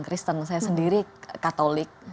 kristen saya sendiri katolik